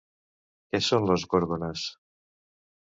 Què són les Gorgones?